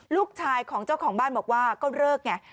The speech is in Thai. ลูกชายของเจ้าของบ้านบอกว่าก็เลิกไง